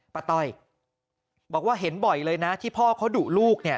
ต้อยบอกว่าเห็นบ่อยเลยนะที่พ่อเขาดุลูกเนี่ย